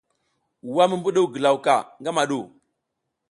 Wa mi mbuɗuw ngilaw ka ngama ɗu ?